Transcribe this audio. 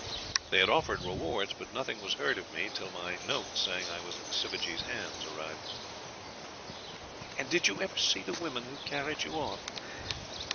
They had offered rewards, but nothing was heard of me till my note saying I was in Sivajee's hands arrived." "And did you ever see the women who carried you off?"